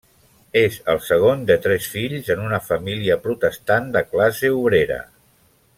És el segon de tres fills en una família protestant de classe obrera.